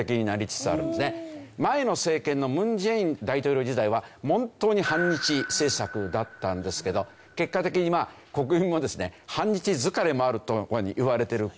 前の政権の文在寅大統領時代は本当に反日政策だったんですけど結果的に国民もですね反日疲れもあるというふうにいわれているくらい。